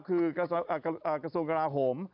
คือกระทรวงกราโหม